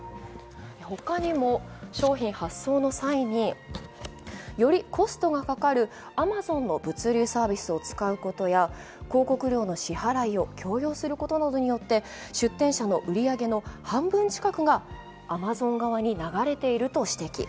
他にも商品発送の際によりコストがかかるアマゾンの物流サービスを使うことや、広告料の支払いを強要することなどによって出店者の売り上げの半分近くがアマゾン側に流れていると指摘。